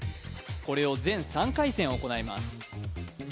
これを全３回戦行います